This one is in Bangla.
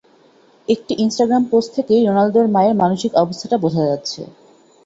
একটি ইনস্টাগ্রাম পোস্ট থেকেই রোনালদোর মায়ের মানসিক অবস্থাটা বোঝা যাচ্ছে।